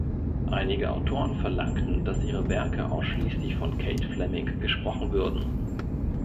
Einige Autoren verlangten, dass ihre Werke ausschließlich von Kate Fleming gesprochen würden.